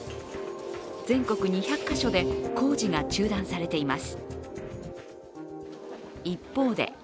全国２００か所で工事が中断されています。